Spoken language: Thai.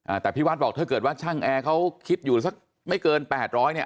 อ่าแต่พี่วัดบอกถ้าเกิดว่าช่างแอร์เขาคิดอยู่สักไม่เกินแปดร้อยเนี้ย